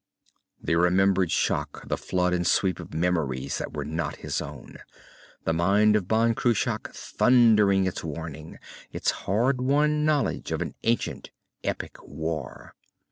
_The remembered shock, the flood and sweep of memories that were not his own. The mind of Ban Cruach thundering its warning, its hard won knowledge of an ancient, epic war....